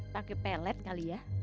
pake pelet kali ya